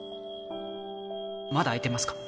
まだ開いてますか？